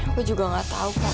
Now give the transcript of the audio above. aku juga gak tau kan